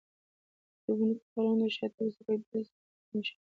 د ونو کتارونه او د شاتګ سړک، دوه سر پړکمشران.